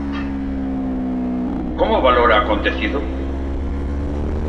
Como valora o acontecido?